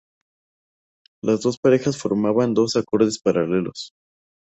Las dos parejas forman dos acordes paralelos.